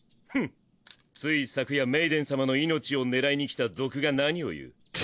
フンつい昨夜メイデン様の命を狙いに来た賊が何を言う。